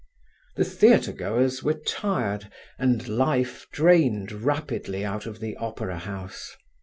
The theatre goers were tired, and life drained rapidly out of the opera house.